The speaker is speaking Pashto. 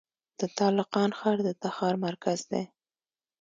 د تالقان ښار د تخار مرکز دی